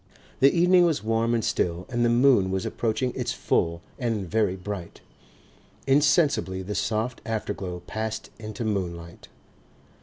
The evening was warm and still and the moon was approaching its full and very bright. Insensibly the soft afterglow passed into moonlight.